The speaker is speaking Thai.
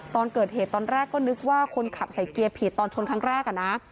ตอนเกิดเหตุตอนแรกก็นึกว่าคนขับใส่เกียร์ผิดตอนชนครั้งแรกอะนะ